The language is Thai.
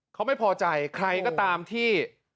เขาไม่พอใจใครก็ตามที่